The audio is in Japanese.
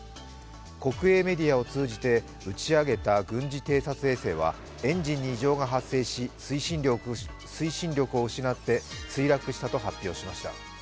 国営メディアを通じて打ち上げた軍事偵察衛星はエンジンに異常が発生し推進力を失って墜落したと発表しました。